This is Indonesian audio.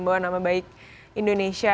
bawa nama baik indonesia